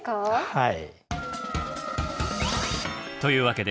はい。